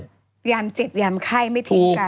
อ่าเห็นมั้ยยามจิตยามไข้ไม่ทิ้ยการ